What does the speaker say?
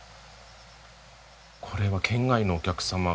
これは県外のお客様から。